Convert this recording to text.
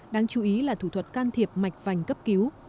đáng chú ý là thủ thuật can thiệp mạch vành cấp cứu